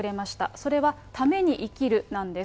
それは、ために生きるなんです。